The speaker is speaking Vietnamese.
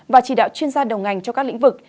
và chỉ đạo chuyên gia đầu ngành cho các lĩnh vực